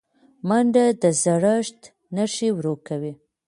منډه د زړښت نښې ورو کوي